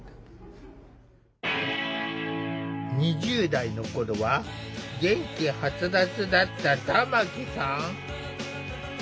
２０代の頃は元気はつらつだった玉木さん。